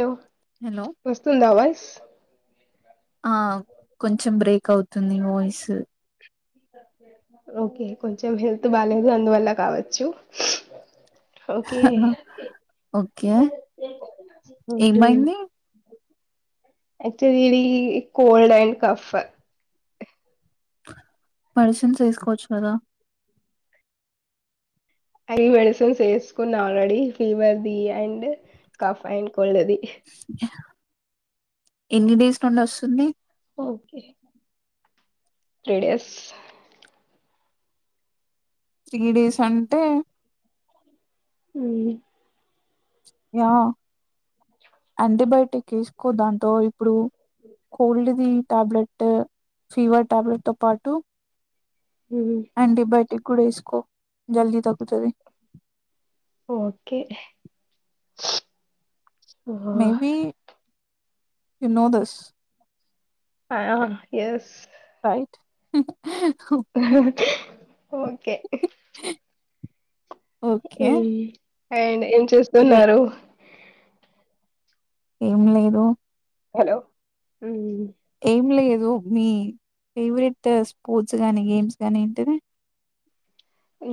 Hello hello వస్తుందా అవాజ ఆ కొంచం బ్రేక్ అవుతుంది వాయిస్ ఓకే కొంచెం హెల్త్ బాేదు అందువల్ల కావచ్చు ఓకే ఓకే ఓకే ఏమైంది అక్చువలీ ఈ కోల్డ్ అండ్ కఫ మెడిసిన్స్ వేసుకోవచ్చు కదా అవి మెడిసిన్స్ వేసుకున్నా ఆల్రెడీ ఫీవర్ ది అండ్ కఫ్ అండ్ కొళ్ది ఎన్ని డేస్ నుండి వస్తుంది కే రెడిస్ త్రీ డేస్ అంటే అ యా యాంటీబయోటిక్ వేసుకో దాంతో ఇప్పుడు కోల్డ్ది టాబ్లెట్ ఫీవర్ టాబ్లెట్ తో పాటు అండి బట్ టకుడేసుకో జల్దీ తకుతుది ఓకే మేబ యూ నో దస్ స్ రయిట్ ఓకే ఓకే అండ్ ఎ లే చేస్తున్నారు ఏం లేదు హలో ఏం లేదు మీ ఫేవరెట్ స్పోర్ట్స్ గాని గేమ్స్ గానీ ఏంటినే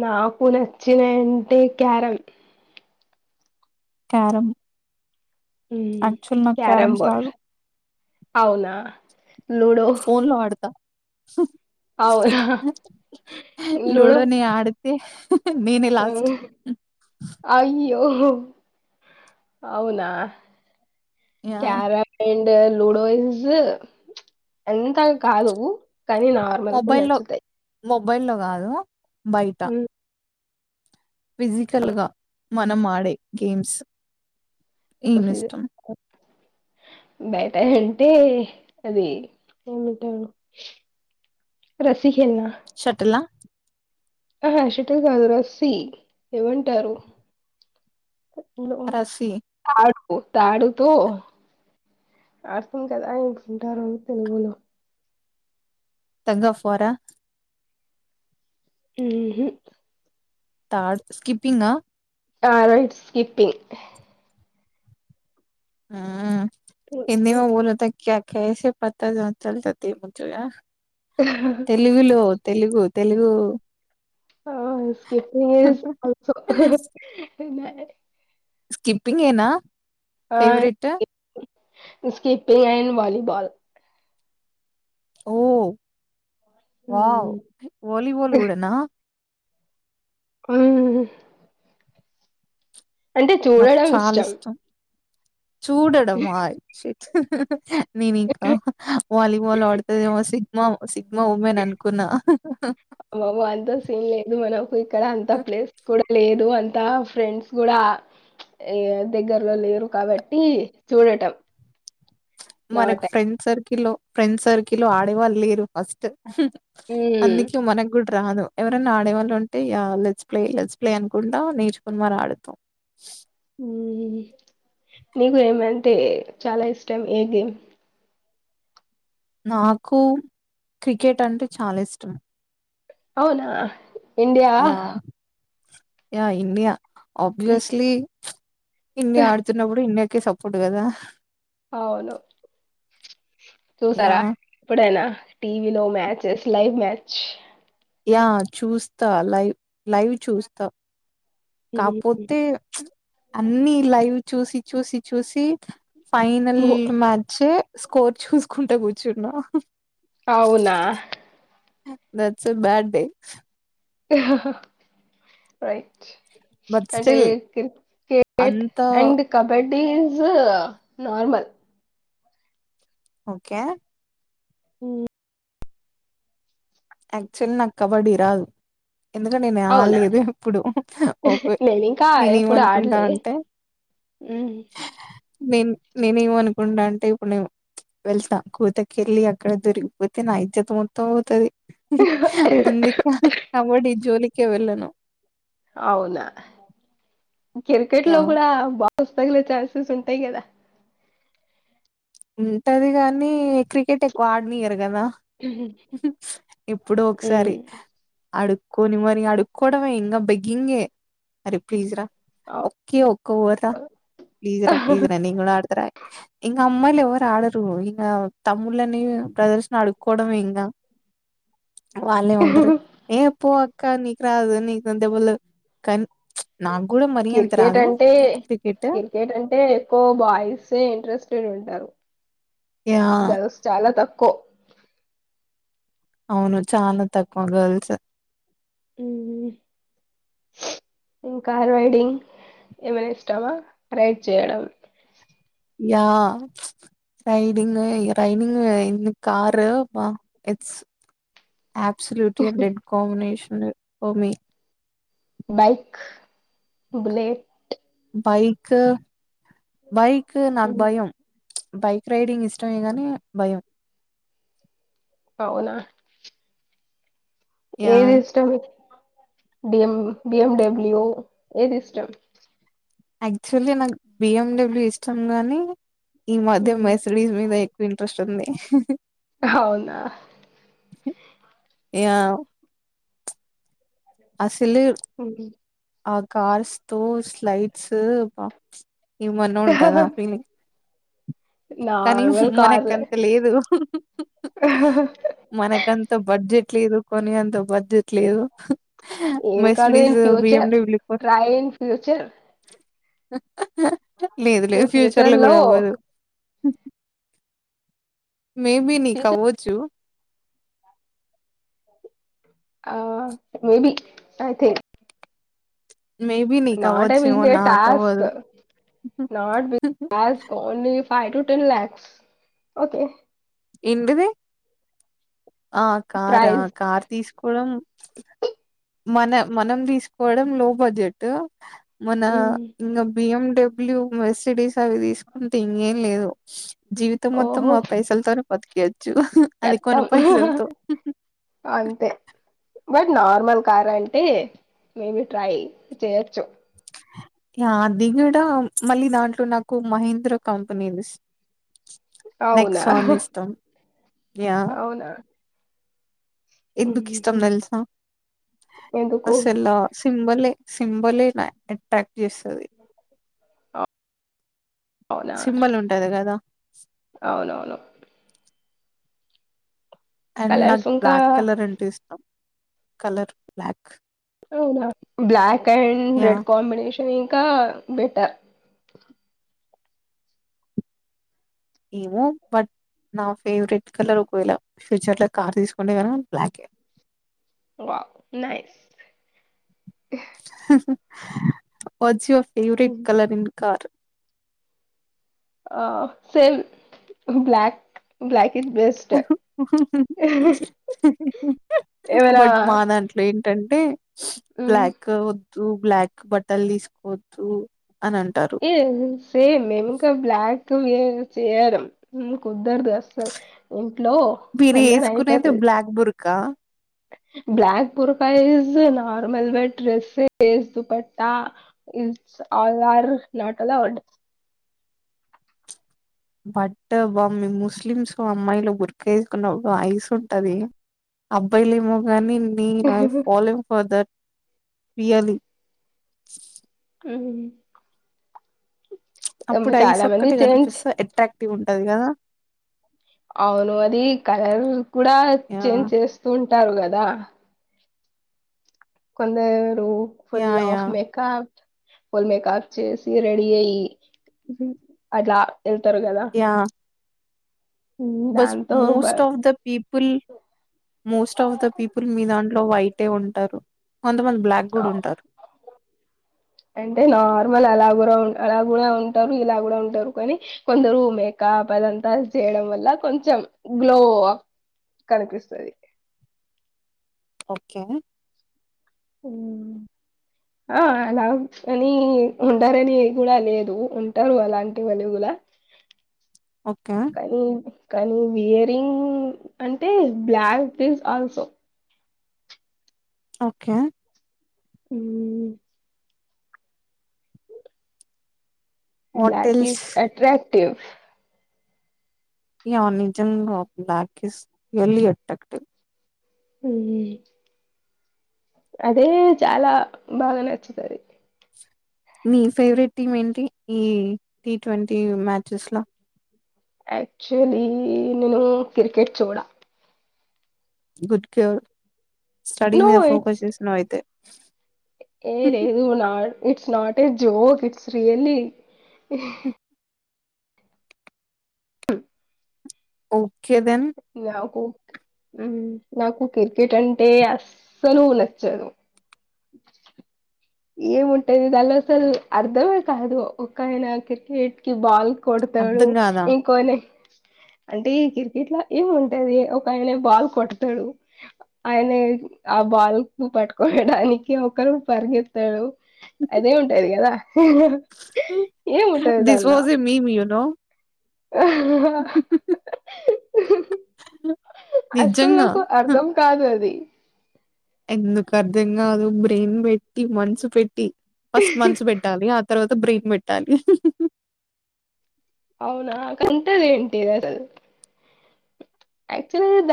నాకు నచ్చిన అంటే క్యారంమ్ కారంం హ్మ్ యాక్చువల్ నాకు క్యారమ్ క్యారమ్స్ బోర్డ్ రాదు అవునా లూడో ఫోన్ లో ఆడత స అవునా లూడో నే ఆడితే నేనే లాస్ట్ య్యో అవునా యా క్యారా [unintelligible] లూడో ఇస్ ఎంత కాదు కానీ నార్మల్గా మొబైల్లో నచ్చుతాయి మొబైల్లో కాదు బయటా హ్మ్. ఫిజికల్ గా మనం ఆడే గేమ్స్ ఏమి ఫి ఇష్టం బయట అంటే అది ఏమంటాడు రసి షటిల హ్మ్ హు షటల్ కాదు రసి ఏమంటారు మ్మ్ మ్మ్ రస్సీ కాదు పు తాడుతో ఆడుకుంటారు కదాంటారు తె బ తగ్గా ఫార హ్మ్ హు తాడ్ స్కిప్పింగ్ ఆ ఆ రైట్ స్కీప్పింగ్ ఆ హ్మ్. ఎన్నివ ఉలతా క్యా కసే పత చతత ము తెలుగులో తెలుగు తెలుగు ఆ స్కిపింగ్ ఇస్ అల్సొ [unintelligible] స్కిప్పింగ్ ఏనా favourite skipping and volleyball oh wow volleyball కూడానా మ్మ్ అంటే చూడడం ఇష్టం చూడడం ఆయ శ నేను ఇంకా వాలీబాల్ ఆడుతుద ఏమో సి మోమో సి అబ అంత సీన్ లేదు మనకు ఇక్కడ అంత ప్లేస్ కూడా లేదు అ అంత ఫ్రెండ్స్ కూడా దగ్గరలో లేరు కాబట్టి చూడటం నా మనకి టైం ఫ్రెండ్ సర్కి సర్కిలో ఫ్రెండ్స్ సర్కిల్ ఆడేవాళ్ళు లేరు ఫస్ట్ అందుకే మనకు కూడా రాను ఎవరైనా ఆడేవాళ్ళు ఉంటే లెజ్ ప్లే లెజ్ ప్లే అనుకుంటా నేర్చుకుని మరి ఆడుతాం నీకు ఏమంటే చాలా ఇష్టం ఏ గేమ్ నాకు క్రికెట్ అంటే చాలా ఇష్టం అవునా ఇండియా యా ఇన్నియా మ్మ్. ఆబ్వియస్లీ ఇన్ని ఆడుతున్నప్పుడు ఇన్ని కే సపోట్ కదా అవును చూసారా యాహ్! ఎప్పుడైనా టీవీ లో మ్యాచస్ లైవ్ మ్యాచ్ యా చూస్తా లైవ్ లైవ్ చూస్తా కాపోతే అన్ని లైవ్ చూసి చూసి చూసి ఫైనల్ ఉహు. మ్యాచ్ స్కోర్ చూసుకుంట కూర్చున్నా అవునా దట్స్ అ బ్యాడ్ డే రయి ట్ బట్ అంటే స్టిల్ క క్రికెట్ అంత అండ్ కబడ్డీ న్స్ నార్మల్ ఓకే ఉ యాక్టువల్లీ నాకు కబడ్డీ రాదు ఎందుకంట నేను అవునా ఆడలేదు ఎప్పుడు ఓకే నేను ఇంకా నేనే ఎప్పుడు ఏమనుకుంటా ఆడలే అంటే ఉమ్. నేను నేనేమ అనుకుంటడా అంటే ఇప్పుడు నేను వెళ్తాం కూతకి వెళ్ళి అక్కడ దొరికిపోతే నైద్యత మొత్తం అవుతుది అందుకే కబడ్డీ జోలికే వెళ్ళను అవునా క్రికెట్ లో యా కూడా బా పుస్తల చాన్సెస్ ఉంటాయి కదా ఉంటది కాగాని క్రికెట్ ఎక్కువ ఆడనియరు కదా ఇప్పుడు ఒకసారి ఉమ్. అడు కోనిమ్ మరి అడుకోడవ ఇింగా బెగింగే అర ప్లీజ రా కే ఒే ఊ ప్లీజ రా ప్లీజ రాను అడుతురా ఇకా అమ్మళ ఎవరు ఆడరు ఇం తమ్ళ్లనే ప్రదర్శన అడుకోడం ఇంగా వాళ్ళ ఉంటరు ఏ ఎ పో కానీ క రాజ నకుంత పోల కానీ నాకు కూడా మరీ అంత క్రికెట్ రాదు అంటే క్రికెట్ అంటే ఎక్కువ బాయ్స్ే ఇంట్రెస్టెడ్ ఉంటారు యా గర్స్ చాల తప్ప కు అవును చాలా తక్కువ గర్ల్స్ ం కార్ రైడింగ్ ఏమైనా ఇష్టామా రైడ్ చేయడం yeah riding riding in car వా ఇట్స్ ఆప్స్లూటియ డెడ్ కాంబినేషన్ మి బైక్ బులేట్ బైక్ వైకి నాగ్బయం బైక్ రైడింగ్ ఇష్టమేగాని భయం అవునా యా ఏది ఇష్టం బిఎ బిఎండబ్ల్యూ ఏ సిస్టమ్ యాక్చువల్లీ నాకు బిఎండబ్ల్యూ ఇష్టం గాని ఈ మధ మెస్ీస్ మీకు ఇంటరెస్ట్ న్నంది అవునా యా అస్ సలు ఆ కార్స్ త స్లైడ్స్ బ ఇవ మన్న ఉంటదా ఆ ఫీలింగ్ కానీ నార్మల్ కార్లే మనకంత లేదు మనకంత బడ్జెట్ ట్దు కొని అంత బజట్లేదు మసిలీస్ వ్యాచర్ టై ఇన్ ఫ్యూచర్ లేదు లేదు ఫ్యూచర్ లో కూడా అవ్వదు మ బి న ఫ్యూచర్ కో చు ఆ మేబి ఐథిక్ మేబి నీకు నాట్ ఎ అవ్వచ్చేమో బింగ్ టాస్క్ నాకవ్వదు నాట్ బ టస్ only five ten lakhs okay ఎంటిది ఆ కార్ కార్ తీసుకోవడం మన మనం తీసుకోవడం లో బడ్జెట్ మన ఇంకా బియ్యం డబ్ల్యూ మర్సిడీస్ చవి తీసుకుంటే ఇంకేం లేదు జీవితం మొత్తం ఓహో మా పైసలతోర పతికే చ అది కొన చెత్తం పైసలుతో అంతే బట్ నార్మల్ కార్ అంటే మేబి ట్రై చేయచ్చు ఆ దిగడ మళ్ళీ దాంట్లో నాకు మహీంద్ర కంపెనీది అవునా నెక్సాన్ ఇష్టం. అవునా ఎందుకు ఇష్టం మ్మ్. నల్సా ఎందుకు అస ఎలా సింబలే సింబలే అట్రాక్ట్ ఎస్ అది అవునా సింబల్ ఉంటది కదా అవునవును అండ్ కలర్స్ నాకు ఇంకా బ్లాక్ కలర్ అంటే ఇస్తాం కలర్ బ్లక్ అవునా బ్లాక్ డ్ రెడ్ యాహ్! కంబినషన్ కా బెటర్ ఏమో బట్ నా ఫేవరెట్ కలర్ ఒకవేళ ఫ్యూచర్ లో కార్ తీసుకుంటే కను బ్లాకే వా న పజివ సూర కలరన్ కారు ఆ స బ్లక్ బ్లక్ ఎవరా బట్ మా దాంట్లో ఏంటంటే మ్మ్ బ్లాక్ బ్లాక్ బట్టల్ దీసుకోవద్దు ఏ సేమ్ మేముకా బ్లాక్ చేడం కుదర్దస్సలు ఇంట్లో తందని అయిపోతుది కా బ్లాక్ బర్కా ఇజ నార్మల్ వెట్ డ్రెసస్ దుపా ఇ ఆ ఆర్ నట్ అలా బట్ బామ్మి ముస్లిమ్స్ అమ్మాయిలు గురక వేసుకున్నప్పుడు ఐస్ ఉంటది అబ్బాయిలు ఏమో ని నీన్ ఐ ఫలోంగ్ ఫర్దర్ట్ పయాలి ఉ అప్పుడు ఐస్ ఒక్కటి గనిపిస్తే అట్రాక్టివ్ ఉంటుంది ఎది కదా అవును అది కలర్ కూడా యా చేంజ్ చేస్తూ ఉంటారు కదా కొంత full yeah yeah of makeup ఫల్మకాక చే శిరడియి అట్లా వెళ్తారు కదా ఉమ్, బస్ దాంతో బ most of the people most of the people మీదా లో అయితే ఉంటారు కొంతమంది బ్లాక్ ఆ, కూడా ఉంటారు అంటే నార్మల్ అలా కూడా ఉ అలా కూడా ఉంటారు ఇలా కూడా ఉంటారు కానీ కొందరు మేకప్ అదంతా చేయడం వల్ల కొంచెం గ్లో కనిపిస్తుంది ఓకే ఆ అలా అని ఉంటారని కూడా లేదు ఉంటారు అలాంటివన్నీ కూడా ఓకే కాని కానీ వియరింగ్ అంటే బ్లాక్ దస్ ఆల్సో ఓకే ఉ black hotels is attractive ఈ ఆనిజంగ్ ఆఫ్ బ్లాక్స్ ఎల్ ఎట్టక్ట్ అ అదే చాలా బాగా నచ్చుతుంది మీ ఫేవరెట్ టీమ్ ఏంటి ఈ టీ ట్వంటీ మ్యాచెస్ లో క్చులీ నేను క్రికెట్ చోడా గుడ్ కేయర్ స్టడీ నో మీద ఇట్స్ ఫోకస్ చేసినావ్ అయితే అ ఏ లేదు నా it's not a joke it's really ఇహ్ ఆ నాకు ఉహుమ్ నాకు క్రికెట్ అంటే అస్సలు నచ్చదు [unintelligible] ఏముంటేది దానిలో అసలు అర్ధమే కాదు ఒకయనా క్రికెట్ కి బాల్ కొడతాడు అర్థం కాదా ఇంకోనే అంటే ఈ క్రికెట్ లో ఏంటది ఒక ఆయనే బాల్ కొడతాడు ఆయనే ఆ బాల్ కు పట్టుకోవడానికి ఒకరు పరిగెత్ తాడు అదే ఉంటాది కదా హ ఏమ్ ఉంటాది దిస్ దానిలా was a meme you know నిజంగా అస్సలుకు అర్థం కాదు అది ఎందుకు అర్ధం కాదు బ్రెయిన్ పెట్టి మనసు పెట్టి ఫస్ట్ మనస్సు పెట్టాలి అ తర్వాత బ్రెయిన్ పెట్టాలి అవునా కంటది ఏంటి అసలు యాక్చువల్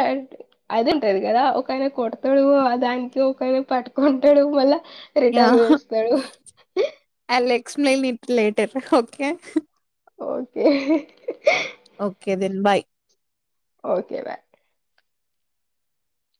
అది ఉంటది కదా ఒకయనా కొడతాడు దానికి ఒకయనా పట్టుకుంటాడు మళ్ళా రిటైర్ యాహ్! వయస్తున్నాడు explain it later okay okay okay then bye okay bye